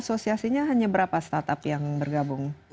asosiasinya hanya berapa startup yang bergabung